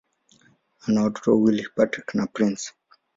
Ana watoto wawili: Patrick na Prince.